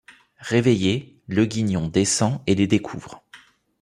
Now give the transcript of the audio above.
Réveillé, Leguignon descend et les découvre.